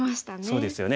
そうですよね。